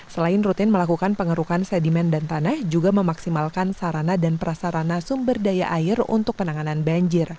selain rutin melakukan pengerukan sedimen dan tanah juga memaksimalkan sarana dan prasarana sumber daya air untuk penanganan banjir